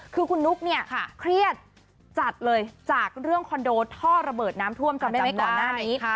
คือคุณนุ๊กเนี่ยเครียดจัดเลยจากเรื่องคอนโดท่อระเบิดน้ำท่วมจำได้ไหมก่อนหน้านี้